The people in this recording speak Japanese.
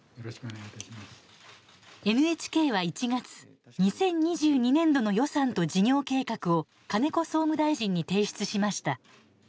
ＮＨＫは１月、２０２２年度の予算と事業計画を金子総務大臣に提出しました。